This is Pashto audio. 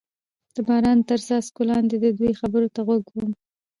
د باران تر څاڅکو لاندې د دوی خبرو ته غوږ ووم.